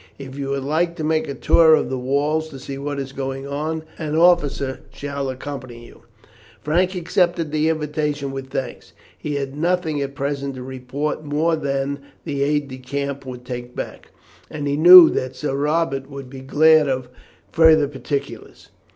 If you would like to make a tour of the walls to see what is going on, an officer shall accompany you." Frank accepted the invitation with thanks. He had nothing at present to report more than the aide de camp would take back, and he knew that Sir Robert would be glad of further particulars.